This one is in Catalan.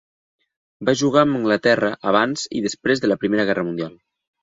Va jugar amb Anglaterra abans i després de la Primera Guerra Mundial.